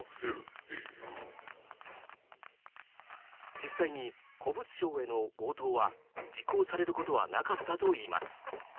実際に古物商への強盗は実行されることはなかったといいます。